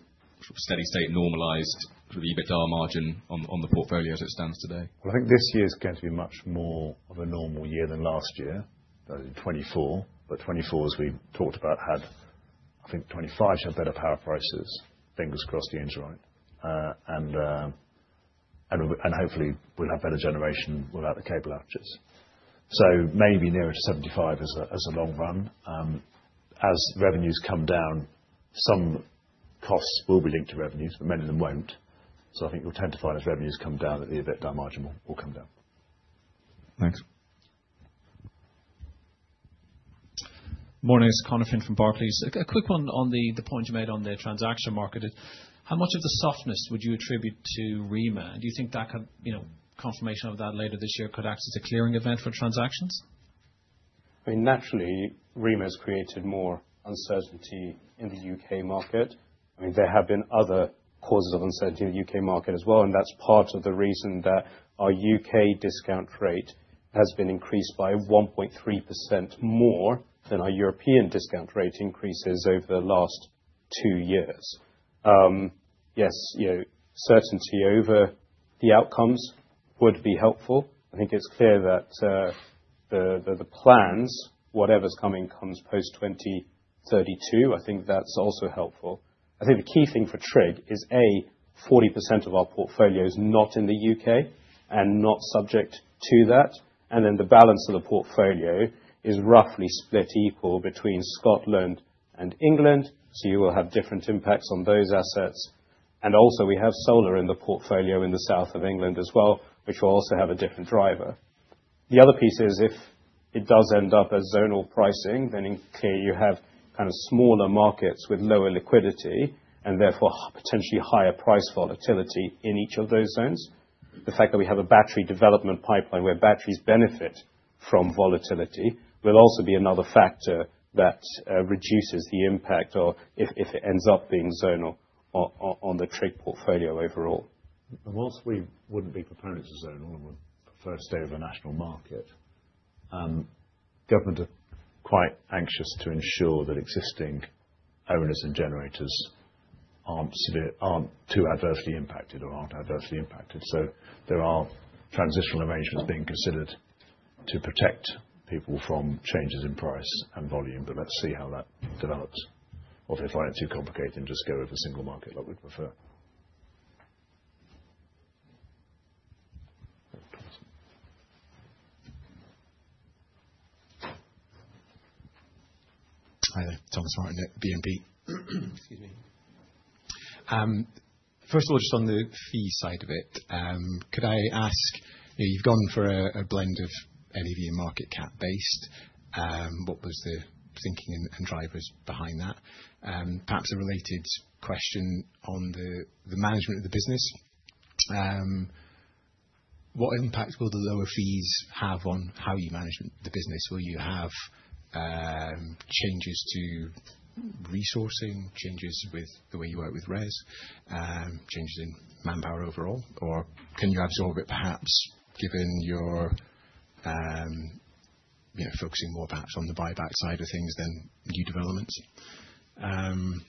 steady-state normalized sort of EBITDA margin on the portfolio as it stands today? I think this year's going to be much more of a normal year than last year, 2024. But 2024, as we talked about, had, I think, 2025 had better power prices. Fingers crossed, the end's right. And hopefully, we'll have better generation without the cable outages. So maybe nearer to 75% as a long run. As revenues come down, some costs will be linked to revenues, but many of them won't. So I think we'll tend to find as revenues come down that the EBITDA margin will come down. Thanks. Morning. This is Conor Finn from Barclays. A quick one on the point you made on the transaction market. How much of the softness would you attribute to REMA? And do you think confirmation of that later this year could act as a clearing event for transactions? I mean, naturally, REMA has created more uncertainty in the U.K. market. I mean, there have been other causes of uncertainty in the U.K. market as well. And that's part of the reason that our U.K. discount rate has been increased by 1.3% more than our European discount rate increases over the last two years. Yes, certainty over the outcomes would be helpful. I think it's clear that the plans, whatever's coming, comes post 2032. I think that's also helpful. I think the key thing for TRIG is, A, 40% of our portfolio is not in the UK and not subject to that. And then the balance of the portfolio is roughly split equal between Scotland and England. So you will have different impacts on those assets. And also, we have solar in the portfolio in the south of England as well, which will also have a different driver. The other piece is if it does end up as zonal pricing, then clearly you have kind of smaller markets with lower liquidity and therefore potentially higher price volatility in each of those zones. The fact that we have a battery development pipeline where batteries benefit from volatility will also be another factor that reduces the impact, or if it ends up being zonal on the TRIG portfolio overall, and whilst we wouldn't be preparing to zonal and we're preferring to stay over a national market, government are quite anxious to ensure that existing owners and generators aren't too adversely impacted or aren't adversely impacted. So there are transitional arrangements being considered to protect people from changes in price and volume. But let's see how that develops, or if they find it too complicated and just go with a single market, that would be preferred. Hi. Thomas Martin at BNP. Excuse me. First of all, just on the fee side of it, could I ask you've gone for a blend of any of your market cap based. What was the thinking and drivers behind that? Perhaps a related question on the management of the business. What impact will the lower fees have on how you manage the business? Will you have changes to resourcing, changes with the way you work with RES, changes in manpower overall? Or can you absorb it perhaps given you're focusing more perhaps on the buyback side of things than new developments? And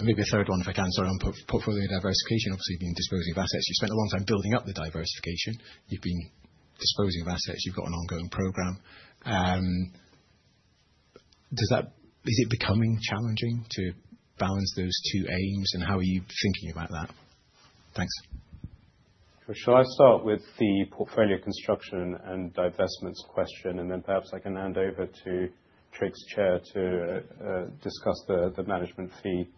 maybe a third one, if I can. Sorry. And on portfolio diversification, obviously you've been disposing of assets. You've spent a long time building up the diversification. You've been disposing of assets. You've got an ongoing program. Is it becoming challenging to balance those two aims? And how are you thinking about that? Thanks. Sure. Shall I start with the portfolio construction and divestments question? And then perhaps I can hand over to TRIG's chair to discuss the management fee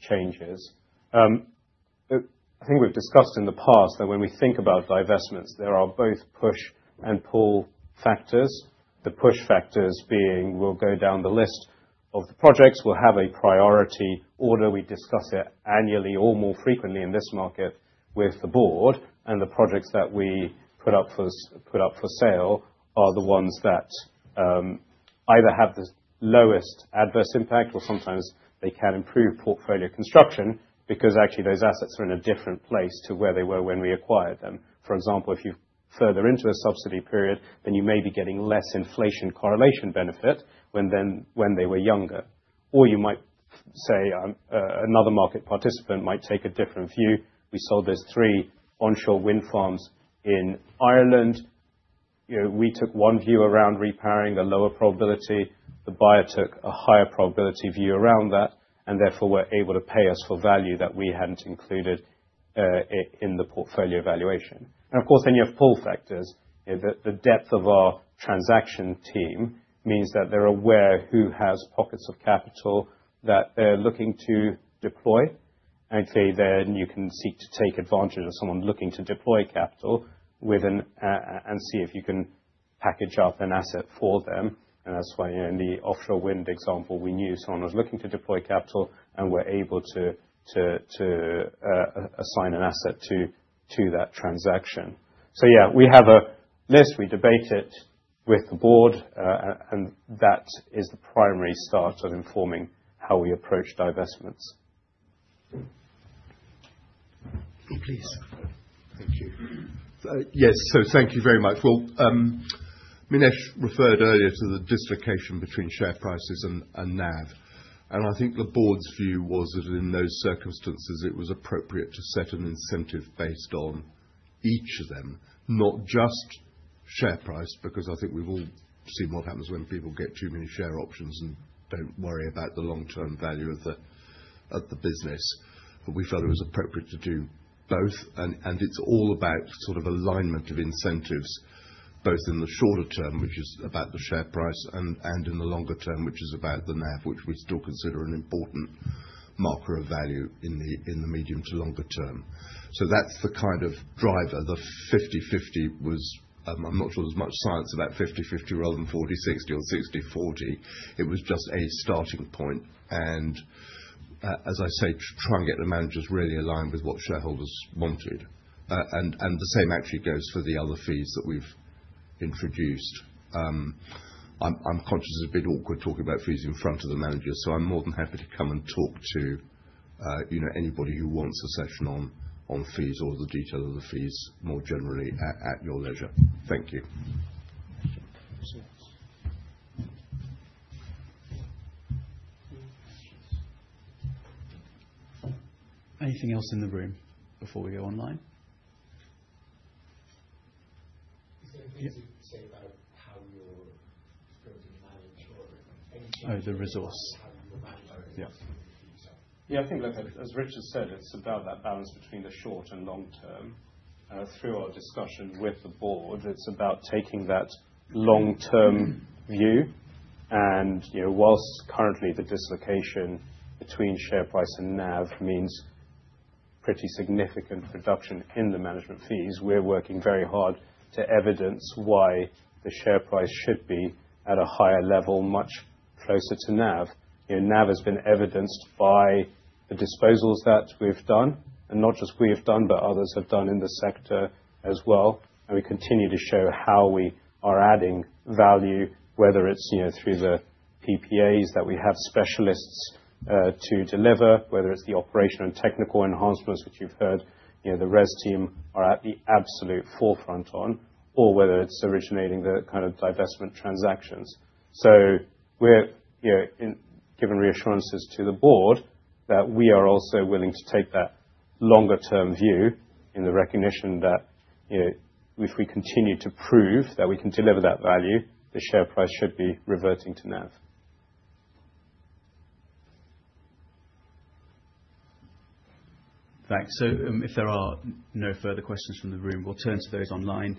changes. I think we've discussed in the past that when we think about divestments, there are both push and pull factors. The push factors being, we'll go down the list of the projects. We'll have a priority order. We discuss it annually or more frequently in this market with the Board, and the projects that we put up for sale are the ones that either have the lowest adverse impact or sometimes they can improve portfolio construction because actually those assets are in a different place to where they were when we acquired them. For example, if you're further into a subsidy period, then you may be getting less inflation correlation benefit when they were younger. Or you might say another market participant might take a different view. We sold those three onshore wind farms in Ireland. We took one view around repowering a lower probability. The buyer took a higher probability view around that. And therefore, were able to pay us for value that we hadn't included in the portfolio valuation. And of course, then you have pull factors. The depth of our transaction team means that they're aware who has pockets of capital that they're looking to deploy. And clearly, then you can seek to take advantage of someone looking to deploy capital and see if you can package up an asset for them. And that's why in the offshore wind example, we knew someone was looking to deploy capital and were able to assign an asset to that transaction. So yeah, we have a list. We debate it with the Board. And that is the primary start of informing how we approach divestments. Please. Thank you. Yes. So thank you very much. Minesh referred earlier to the dislocation between share prices and NAV. I think the Board's view was that in those circumstances, it was appropriate to set an incentive based on each of them, not just share price, because I think we've all seen what happens when people get too many share options and don't worry about the long-term value of the business. We felt it was appropriate to do both. It's all about sort of alignment of incentives, both in the shorter term, which is about the share price, and in the longer term, which is about the NAV, which we still consider an important marker of value in the medium to longer term. That's the kind of driver. The 50/50 was. I'm not sure there's much science about 50/50 rather than 40/60 or 60/40. It was just a starting point. And as I say, try and get the managers really aligned with what shareholders wanted. And the same actually goes for the other fees that we've introduced. I'm conscious it's a bit awkward talking about fees in front of the managers. So I'm more than happy to come and talk to anybody who wants a session on fees or the detail of the fees more generally at your leisure. Thank you. Anything else in the room before we go online? Is there anything to say about how you're going to manage or anything? Oh, the resource. Yeah. Yeah. I think, like as Richard said, it's about that balance between the short and long term. Through our discussion with the Board, it's about taking that long-term view. And whilst currently the dislocation between share price and NAV means pretty significant reduction in the management fees, we're working very hard to evidence why the share price should be at a higher level, much closer to NAV. NAV has been evidenced by the disposals that we've done. And not just we've done, but others have done in the sector as well. And we continue to show how we are adding value, whether it's through the PPAs that we have specialists to deliver, whether it's the operational and technical enhancements, which you've heard the RES team are at the absolute forefront on, or whether it's originating the kind of divestment transactions. So we're giving reassurances to the Board that we are also willing to take that longer-term view in the recognition that if we continue to prove that we can deliver that value, the share price should be reverting to NAV. Thanks. So if there are no further questions from the room, we'll turn to those online.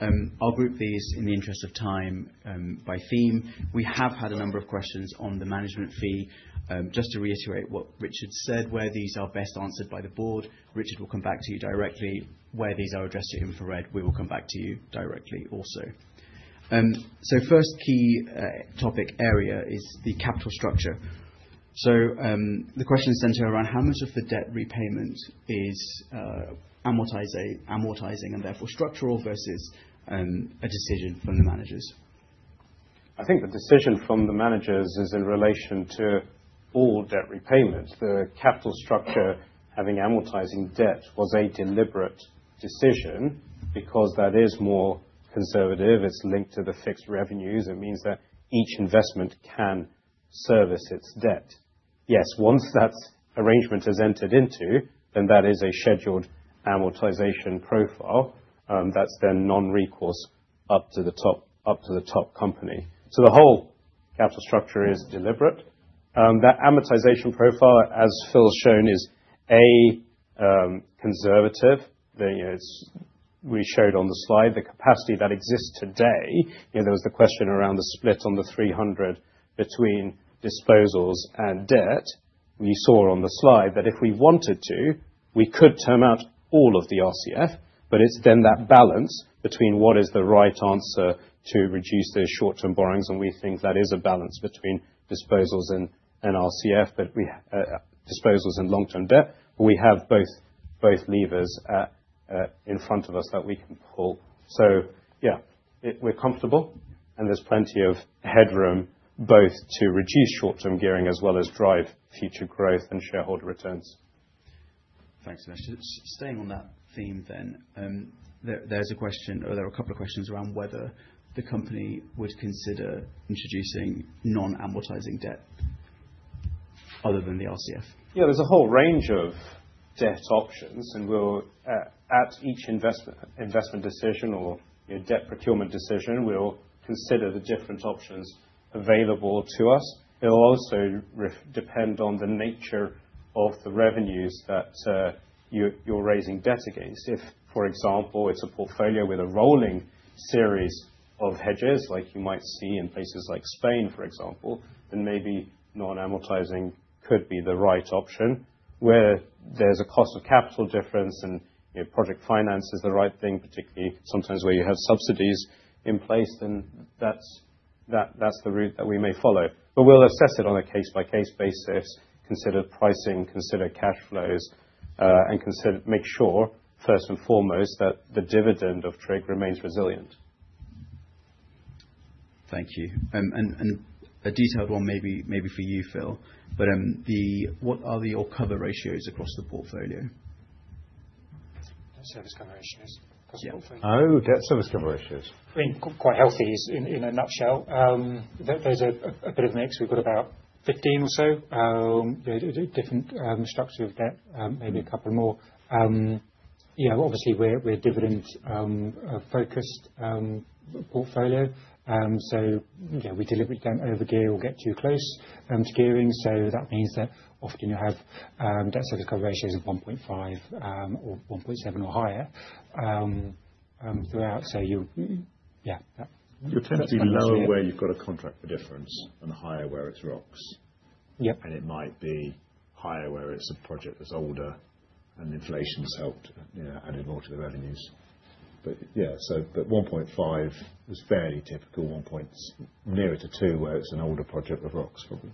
I'll group these in the interest of time by theme. We have had a number of questions on the management fee. Just to reiterate what Richard said, where these are best answered by the Board. Richard will come back to you directly. Where these are addressed to InfraRed, we will come back to you directly also. So first key topic area is the capital structure. So the question is centered around how much of the debt repayment is amortizing and therefore structural versus a decision from the managers. I think the decision from the managers is in relation to all debt repayment. The capital structure having amortizing debt was a deliberate decision because that is more conservative. It's linked to the fixed revenues. It means that each investment can service its debt. Yes, once that arrangement has entered into, then that is a scheduled amortization profile that's then non-recourse up to the top company. So the whole capital structure is deliberate. That amortization profile, as Phil's shown, is a conservative. We showed on the slide the capacity that exists today. There was the question around the split on the 300 between disposals and debt. We saw on the slide that if we wanted to, we could term out all of the RCF. But it's then that balance between what is the right answer to reduce those short-term borrowings. We think that is a balance between disposals and RCF, disposals and long-term debt. We have both levers in front of us that we can pull. Yeah, we're comfortable. There's plenty of headroom both to reduce short-term gearing as well as drive future growth and shareholder returns. Thanks, Minesh. Staying on that theme then, there's a question or there are a couple of questions around whether the company would consider introducing non-amortizing debt other than the RCF. Yeah. There's a whole range of debt options. At each investment decision or debt procurement decision, we'll consider the different options available to us. It'll also depend on the nature of the revenues that you're raising debt against. If, for example, it's a portfolio with a rolling series of hedges like you might see in places like Spain, for example, then maybe non-amortizing could be the right option. Where there's a cost of capital difference and project finance is the right thing, particularly sometimes where you have subsidies in place, then that's the route that we may follow. But we'll assess it on a case-by-case basis, consider pricing, consider cash flows, and make sure first and foremost that the dividend of TRIG remains resilient. Thank you. And a detailed one maybe for you, Phil. But what are the debt service cover ratios across the portfolio? debt service cover ratios. Yeah. Oh, debt service cover ratios. I mean, quite healthy in a nutshell. There's a bit of a mix. We've got about 15 or so different structures of debt, maybe a couple more. Yeah. Obviously, we're a dividend-focused portfolio. So we deliver again over gear or get too close to gearing. So that means that often you have debt service cover ratios of 1.5 or 1.7 or higher throughout. Yeah. You're tending to lower where you've got a Contract for Difference and higher where it's ROCs. And it might be higher where it's a project that's older and inflation's helped added more to the revenues. But yeah. So but 1.5 is fairly typical. One nearer to two where it's an older project that ROCs probably.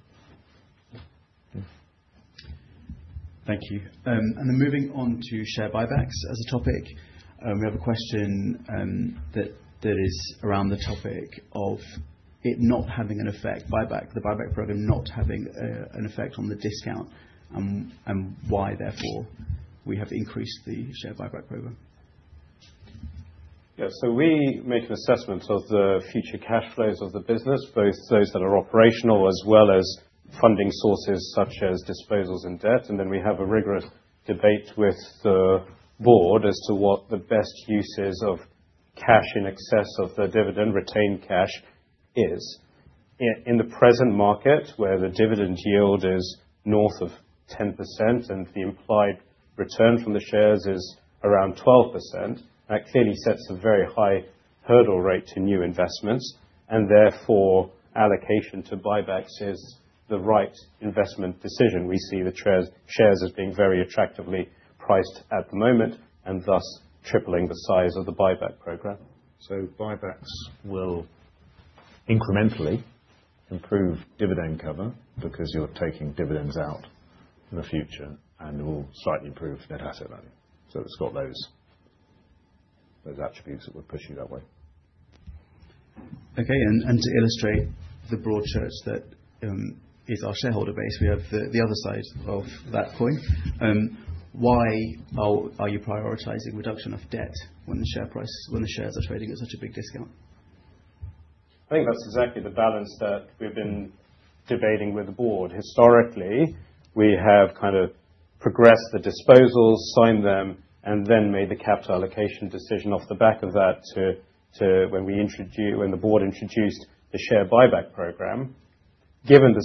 Thank you. And then moving on to share buybacks as a topic, we have a question that is around the topic of it not having an effect, the buyback program not having an effect on the discount and why therefore we have increased the share buyback program. Yeah. So we make an assessment of the future cash flows of the business, both those that are operational as well as funding sources such as disposals and debt. And then we have a rigorous debate with the Board as to what the best uses of cash in excess of the dividend retained cash is. In the present market where the dividend yield is north of 10% and the implied return from the shares is around 12%, that clearly sets a very high hurdle rate to new investments. And therefore, allocation to buybacks is the right investment decision. We see the shares as being very attractively priced at the moment and thus tripling the size of the buyback program. So buybacks will incrementally improve dividend cover because you're taking dividends out in the future and will slightly improve net asset value. So it's got those attributes that would push you that way. Okay. And to illustrate the broad church that is our shareholder base, we have the other side of that coin. Why are you prioritizing reduction of debt when the shares are trading at such a big discount? I think that's exactly the balance that we've been debating with the Board. Historically, we have kind of progressed the disposals, signed them, and then made the capital allocation decision off the back of that to when the Board introduced the share buyback program. Given the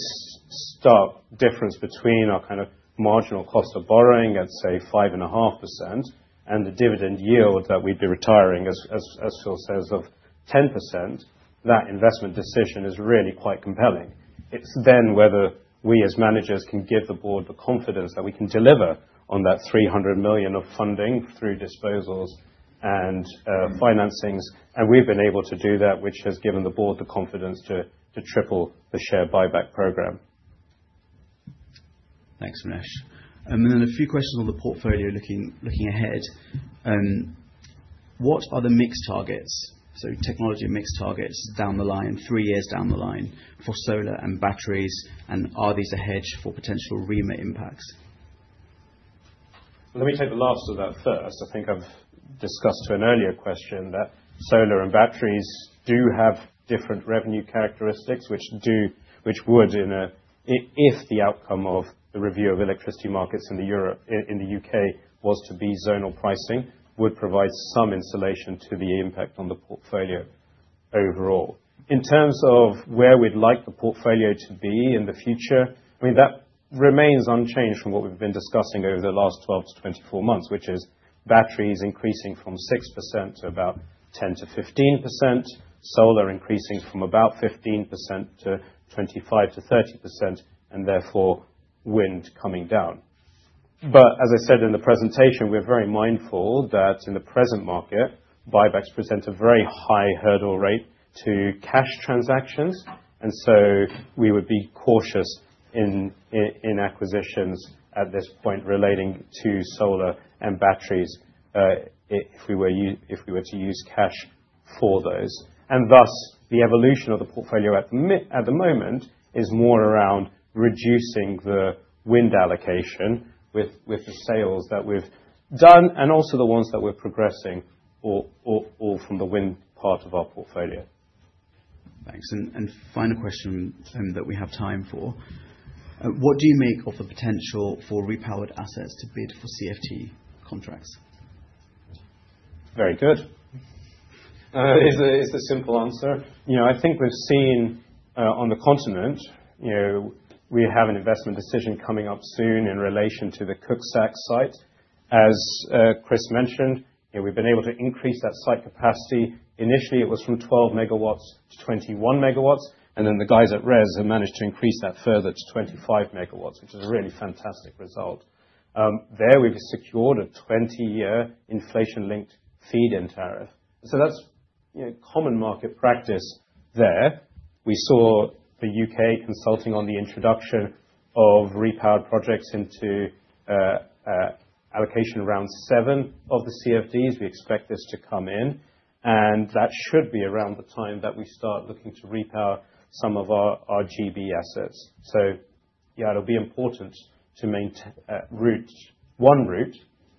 stark difference between our kind of marginal cost of borrowing at, say, 5.5% and the dividend yield that we'd be retiring, as Phil says, of 10%, that investment decision is really quite compelling. It's then whether we as managers can give the Board the confidence that we can deliver on that 300 million of funding through disposals and financings, and we've been able to do that, which has given the Board the confidence to triple the share buyback program. Thanks, Minesh. Then a few questions on the portfolio looking ahead. What are the mixed targets? Technology mixed targets down the line, three years down the line for solar and batteries. Are these a hedge for potential REMA impacts? Let me take the last of that first. I think I've discussed to an earlier question that solar and batteries do have different revenue characteristics, which would, if the outcome of the review of electricity markets in the UK was to be zonal pricing, would provide some insulation to the impact on the portfolio overall. In terms of where we'd like the portfolio to be in the future, I mean, that remains unchanged from what we've been discussing over the last 12-24 months, which is batteries increasing from 6% to about 10-15%, solar increasing from about 15% to 25-30%, and therefore wind coming down. But as I said in the presentation, we're very mindful that in the present market, buybacks present a very high hurdle rate to cash transactions. And so we would be cautious in acquisitions at this point relating to solar and batteries if we were to use cash for those. And thus, the evolution of the portfolio at the moment is more around reducing the wind allocation with the sales that we've done and also the ones that we're progressing all from the wind part of our portfolio. Thanks. And final question that we have time for. What do you make of the potential for repowered assets to bid for CfD contracts? Very good is the simple answer. I think we've seen on the continent, we have an investment decision coming up soon in relation to the Cuxac site. As Chris mentioned, we've been able to increase that site capacity. Initially, it was from 12 megawatts to 21 megawatts, and then the guys at RES have managed to increase that further to 25 megawatts, which is a really fantastic result. There we've secured a 20-year inflation-linked feed-in tariff. So that's common market practice there. We saw the UK consulting on the introduction of repowered projects into Allocation Round 7 of the CfDs. We expect this to come in, and that should be around the time that we start looking to repower some of our GB assets. So yeah, it'll be important to route one route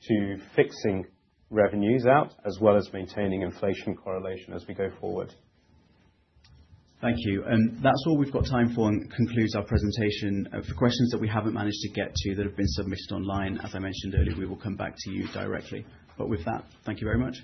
to fixing revenues out as well as maintaining inflation correlation as we go forward. Thank you, and that's all we've got time for and concludes our presentation of questions that we haven't managed to get to that have been submitted online. As I mentioned earlier, we will come back to you directly. But with that, thank you very much.